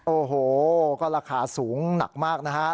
โอ้โหก็ราคาสูงหนักมากนะฮะ